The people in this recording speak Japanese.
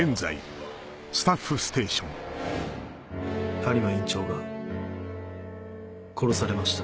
播磨院長が殺されました。